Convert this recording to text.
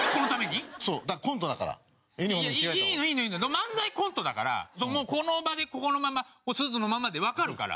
漫才コントだからこの場でここのまんまスーツのまんまでわかるから。